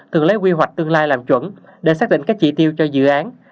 từng lấy quy hoạch tương lai làm chuẩn để xác định các chỉ tiêu cho dự án